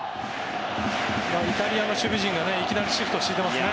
イタリアの守備陣がいきなりシフトを敷いていますね。